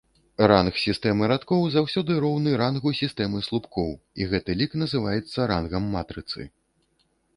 Ранг сістэмы радкоў заўсёды роўны рангу сістэмы слупкоў, і гэты лік называецца рангам матрыцы.